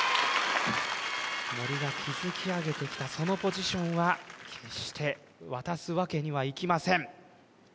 森が築き上げてきたそのポジションは決して渡すわけにはいきません